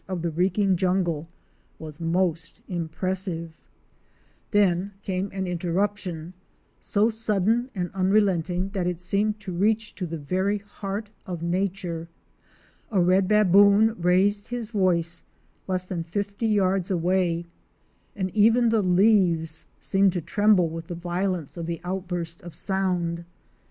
197 Then came an interruption, so sudden and unrelenting that it seemed to reach to the very heart of nature. A Red "Baboon"? raised his voice less than fifty yards away, and even the leaves seemed to tremble with the violence of the outburst of sound.